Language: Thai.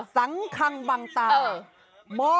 จริงหรอยังอยู่ไหม